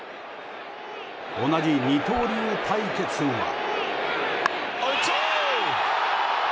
同じ二刀流対決は。